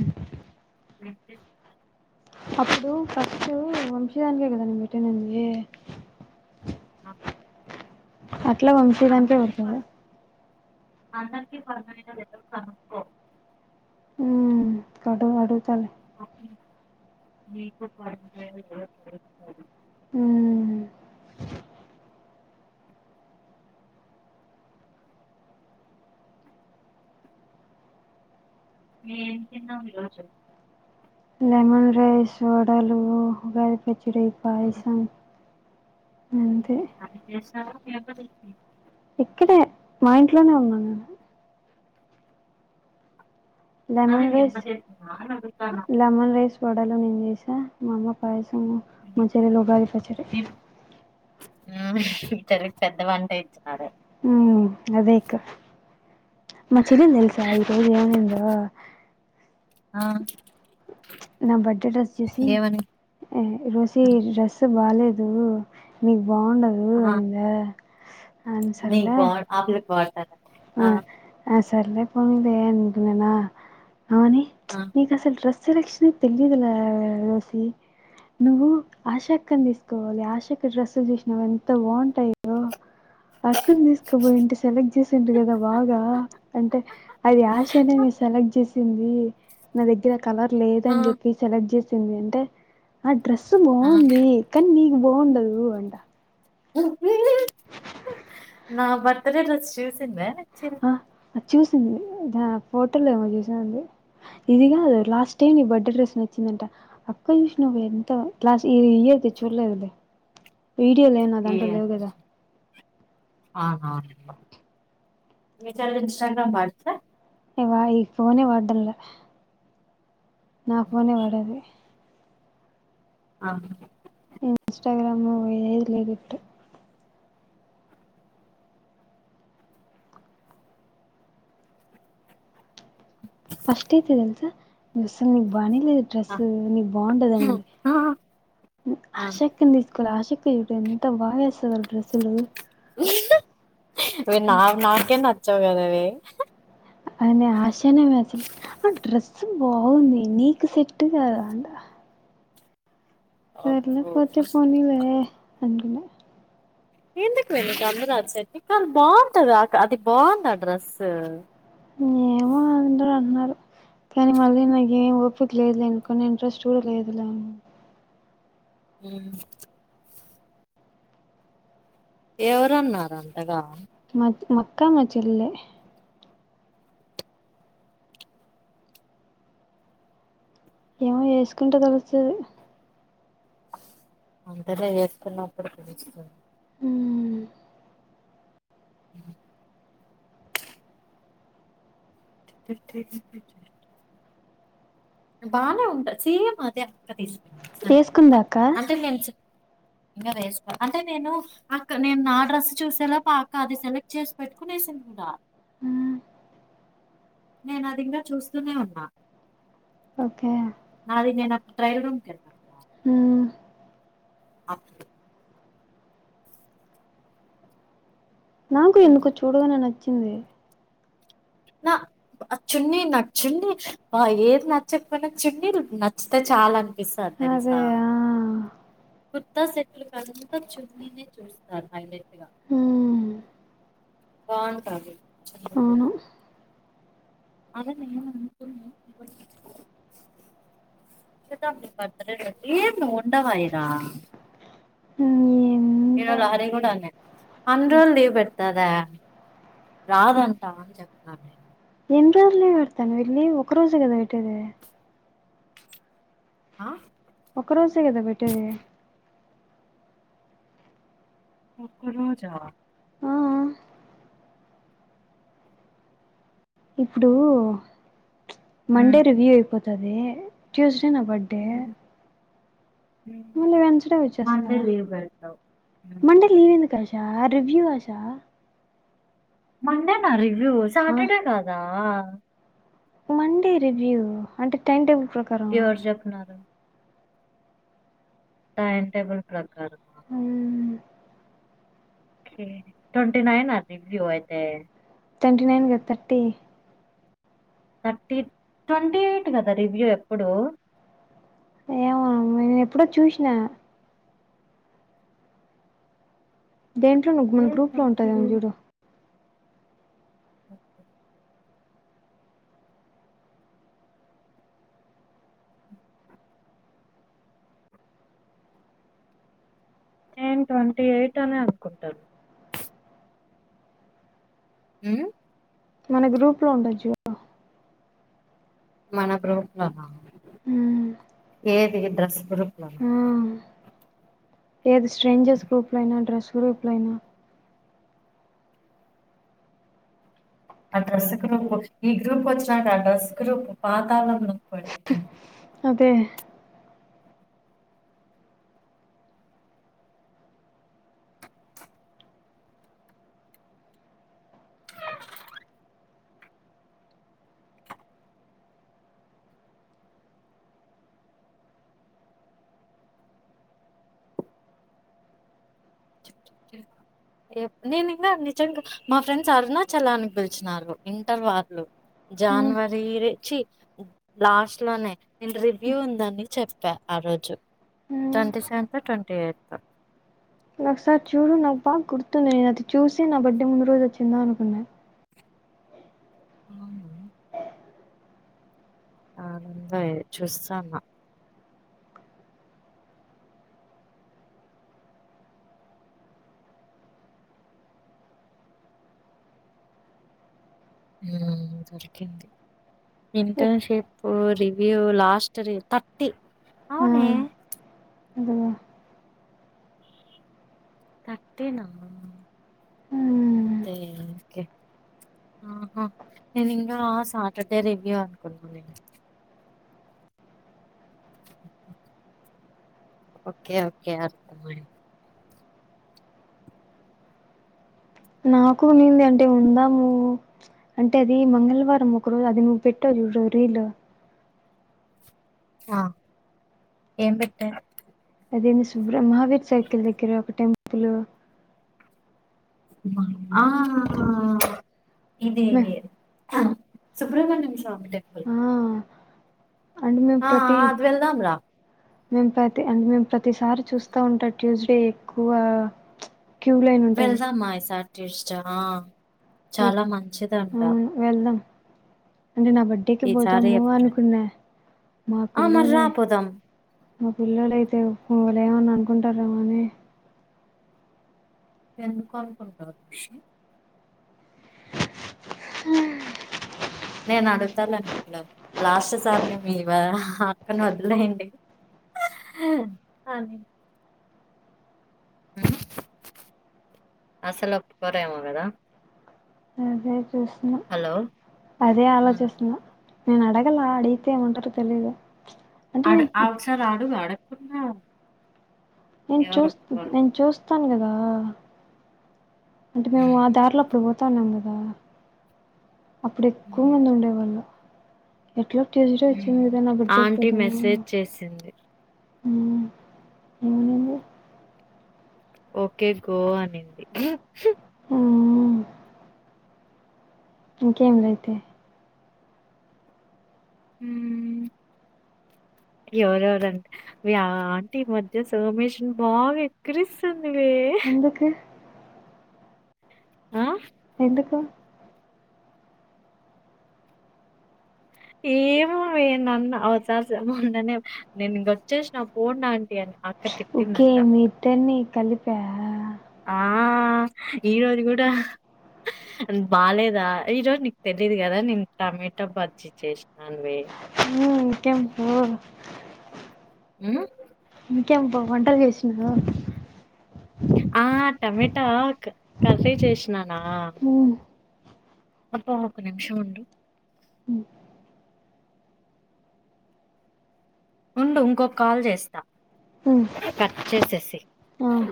ఆ ే అప్పుడు ఫస్ట్ వంశధానికే కదా నేను పెట్టనంది ఆ అత్ అట్లా వంశీ దానికే పడుతది అందరికీ పడుతుందా లేదో కనుక్కో ఉ కడు అడుగుతలే కు హు ఏం తిన్నావు ఈ రోజు లేమన్ రైస్ వడాలు గా కిచిడి పాయసం అంతే అట్లా చేసిన తినక వో ఇక్కడే మా ఇంట్లోనే ఉన్నా నేను అదే లేమన్ మీ అమ్మ రైస్ చేసిందా అని అడుగుతాన్న లేమన్ రైస్ వడలు నేను చేసా మా అమ్మ పాయ సం మా మీ చెల్లెలు ఉగాది పచ్చడ చెల్లికి పెద్ద వంటే ఇచ్చినరు ఉ అదేకా మా చెల్లెలు తెల్సా ఈరోోజ ఏమాఇందో ఆ నా బడే రస్ చేసి ఏమని అ రోసి రస్ బాలేదు ని బాగుండదు అనింద ని బ ఆలు పటి ఆ అస్ సర్లేేపోనీద ఏ అంటన్నానా అనే ఆ మీ కాసలు ట్రస్ సెలక్షన్ తెలిదల దసి నువ్వు ఆశక్కని తీసుకోవాలి ఆశ క్కడ డ్రస్ చసిన ఎంత బాగుంటాయో అక్కడ తీసుకుపోయి ఇంటి సెలెక్ట్ చే ఇది నా దగ్గర కలర్ లేద ఆ అని చెప్పి సెలెక్ట్ చేస్త ఉంది అంటే అ డ్రెస్ ఆ బాగుంది కానీ నీకు బాగుండదు ఉ అంట ఉ నా బర్తడే డ్రెస్ చూస్వారా చిర్ ఆ అది చూసింది ఫోటోలో ఏమో చూసింది ఇది కాదు లాస్ట్ టైం నీ బర్త్డే డ్రెస్ నచ్చిందంట అక్క చూసిన ఒక ఎంత లాస్ట్ ఇయర్ది చూడలేదు అది ఏ వీడియోలేనాదాంట లేయ కదా వమీ చాలే ఇన్స్టాగ్రమ్ వాడుతదా వా ఈ ఫోనే వాడతారు కదా నాకు ఫోన్ ఏ వడేది ఆ ఇన్స్టగ్రాముదులుదుట్ మి సుల్ నిబాణి దు డ్రెస్ నీ బాగుంటది అనేది ఆ ఆ ఆశక్తిని తీసుకోవాలి ఆశక్తి ఇప్పుడు ఎంత బాగాస్తది డ్డ్రెస్సులు అ నా నా కేనా చ్చగాదవే అయిన ఆశ జనమ అస ఆ డ్రెస్ బాగుంది నీకు సెట్ కాదు అంటా సర్లే అబ్బో పోతే పోనీ వే అంటే ఎందుకువే కమ్ రాకి కాళ బాగుంటది అది బాగుంది డ్రస్ ఏమో అందరు అంటున్నారు కానీ మళ్ళీ నాకు ఏం ఓపిక లేదులేనుకున్ని ఇంట్రెస్ట్ కూడా లేదులే హ ఎవరున్నారు అంతగా మ మక్కా మచ్చల్లే ఏమో వేసుకుంటే తెలుస్తది అంటనే వేస్తున్నప్పుడు తెలుస్తుంది అ బాగానే ఉంటా సీఎ అదే అక్క తీసుకు వేసుకుందాకా ఇంకా వేసుకో అంటే నేను అక్క నేను నా డ్రస్ చూసేలా అక్క అది సెలెక్ట్ చేసి పెట్టుకునే వేసింది కూడా నేను ఆ దగ్గర చూస్తూనే ఉన్నా ఓకే ఫైల్ రూమ్ కలర్ అప్పు నాకు ఎందుకు చూడగానే నచ్చ చోరే నా చున్నీ న చున్నీ ఏది నచ్చకపోయినా చున్నీ నచ్చితే చాలా అ స తె అదే రసా ఆ కుత్తా సెట్లు కదంతా చూన్న చూస్తారు హైలెట్గా హ్మ్ బాగుంటదు అవును అలా నే ఇదా అ పతుడ ను ఉండవయరా ఈ ఎందే రోజు హర కూడా అ అన్ని రోజులు లీవ్ పెడతదా రాదంటా అని చెప్తున్నాను నేను ఎన్ని రోజులు పెడతాను లీవ్ ఒక రోజు కదా పెట్టది ఆ ఒక రోజే కదా పెట్టేది ఒక రోజా ఆ ఇప్పుడు మండే రివ్యూ అయిపోంది అదే ట్యూస్ నా బర్డే మళ్ళీ వెన్స్ డే మండే వచ్చేస్తారా లీవ్ పెడతావు మండే లీవ్ ఎందుకు ఆషా ర్ రివ్యూ ఆశ మండే నా రి వ్యూ ఆ సాటర్డే కాదా ఆ మండే రివ్యూ అంటే టైం టేబుల్ ప్రకారం ఎవర్ జప్పన్నారు టైమ్ టెబుల్ ప్రకరమ్ అవును ఓకే ట్వెంటీ నైన్ అది రివ్యూ అయితే ట్వంటీ నైన్ గాదు థర్టీ థర్టీ ట్వంటీ ఎయిట్ కదా రివ్యూ ఎప్పుడు ఏమో నేను ఎప్పుడో చూసినా దేంట్లో నువ్వు మన గ్రూప్ లో ఉంటది ఏమో చూడు ఓకే నేన్ ట్వంటీ ఎయిట్ అని అనుకుంటాను ఉ మన గ్రూప్ లో ఉండొచ్చు మన గ్రూప్ లోన మ్మ్. ఏది డ్రస్ గ్రూప్ లోన ఆ ఏది స్ట్రేంజర్స్ గ్రూప్లో అయినా డ్రెస్ గ్రూప్లో అయినా ఆ డ్రస్ గ్రూప్ ఈ గ్రూప్ వచ్చినడు ఆ డ్రస్ గ్రూప్ పాతాలంలోకి పడింది అదే నేను ఇంకా నిజంగా మా ఫ్రెండ్స్ అరుణ చలానికి పిలిచిన ఇంటర్ వాళ్లు మ్మ్. జనవరి రచ్చి లాస్ట్ లోనే నేను రివ్యూ ఉందని చెప్పా ఆ రోజు మ్మ్. ట్వంటీ సెవెన్ ట్వంటీ ఎయిత్ ఒక ఒకసారి చూడు నాకు బాగా గుర్తుంది. నేను అది చూసి నా బర్త్డే ముందు రోజు వచ్చిందా అనుకున్నాను. అవునా ఆనందాయ చూస్తాన్న ఊ దొరికింది ఇంటర్న్షిప్ రివ్యూ లాస్ట్ రి థర్టీ ఆ అవునే అదిగో థర్టీనా మ్మ్. అదే ఓకేహా నేను ఇంకా సాటర్డే రివ్యూ అనుకున్నాను నేను ఓకే ఓకే అర్థమయింది నాకు నింది అంటే ఉందాము అంటే అది మంగళవారం ఒక రోజు అది నువ్వు పెట్టవు చుడు రీలు ఆ ఏం పెట్ట అదేమి సుబ్రమహావీర్ సర్కిల్ దగ్గర ఒక టెంపుల్ ఆ ఇదే మే- ఇదే సుబ్రహమణ్యం స్వామి టెంపుల్ ఆ అంటే ఆ అది వెళదాం రా మేం ప్రతి అంటే మేము ప్రతిసారి చూస్తా ఉంటా ట్యూస్డే ఎక్కువ క్యూ లైన్ ఉంటది వెళ్దామాసార్ ఇస్తా ఎక్ చాలా మంచిది అంటా అవును వెళ్దాం అంటే నా బర్త్డే కి పోదాము ఎప్పుడు అనుకున్నా ఆ మర్ రాపోదాం ఆ పిల్లోడైతే పులే ఏమని అనుకుంటారేమో అని ఎందుకు అనుకుంటారు విష్ణు నేను అడుగుతానుని ఇలా లాస్ట్ సార్ని మీ అక్కను వదిలేయండి అని అసలు ఒప్పుకోరేమో కదా అదే చూస్తున్నా హలో అదే ఉమ్. ఆలోచిస్తున్నా నేను అడగల అడిగితే ఏమంటారు తెలిదు ఆడు ఔట్సైడ్ రాడు వాడే ఉన్నా నేను చూస్తూ నేను చూస్ వస్తాను కదా అంటే మేము ఆ దారిలో అప్పుడు పో తను ఉందిగా అప్పుడు ఎక్కువ ఉమ్. మంది ఉండేవాళ్ళు ఎట్లా ట్యూస్డే వచ్చింది కదా నా బర్డేకి ఆంటీ పోదామా మెసేజ్ చేసింది హ్మ్ ఏమనింది ఓకే గో అనింది హ్మ్ ఇంకేం లే అయితే హ్మ్ ఎవరెవరంటే మీ ఆంటీ మధ్య సోమేష్ బాగా వెకరిస్తుంది ను ఎందుకు ఆ ఎందుకు ఏమో వే అవసారిమనే నేను ఇకొచ్చేసి నా పోడిడాంట ఓకే మీతనే కలిప ఆ ఈరోజు కూడా బాలేదా ఈరోజు నీకు తెలీదు కదా నేను టమాటా బజ్జీ చేసానువి హ్మ్ ఇంకేం పో ఇంకే హో వండల్ చేస్తున్నావా ఆ టమేటా కర్రీ చేసినా నా హ్మ్ అబ్బా ఒక నిమిషం ఉండు హ్మ్ ఉండు ఇంకొక కాల్ చేస్తా హ్మ్ కట్ చేసేసి ఆ